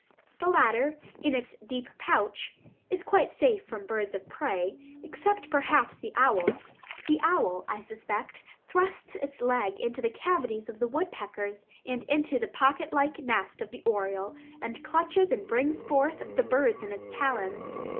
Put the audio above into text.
The latter, in its deep pouch, is quite safe from birds of prey, except perhaps the owl. The owl, I suspect, thrusts its leg into the cavities of woodpeckers and into the pocket like nest of the oriole, and clutches and brings forth the birds in its talons.